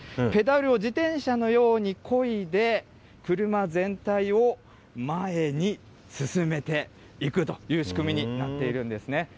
ペダルを自転車のようにこいで、車全体を前に進めていくという仕組みになっているんですね。